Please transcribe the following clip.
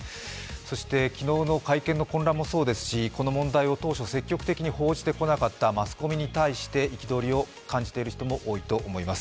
そして、昨日の会見の混乱もそうですしこの問題を当初積極的に報じてこなかったマスコミに対して憤りを感じている人も多いと思います。